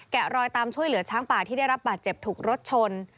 รอยตามช่วยเหลือช้างป่าที่ได้รับบาดเจ็บถูกรถชน